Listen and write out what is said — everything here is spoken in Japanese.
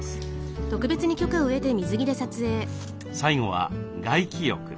最後は外気浴。